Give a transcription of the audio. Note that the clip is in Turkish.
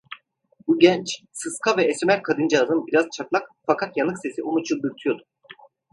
Bu genç, sıska ve esmer kadıncağızın biraz çatlak fakat yanık sesi onu çıldırtıyordu.